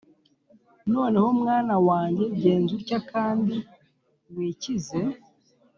noneho mwana wanjye, genza utya kandi wikize,